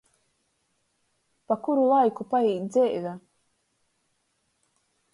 Pa kuru laiku paīt dzeive.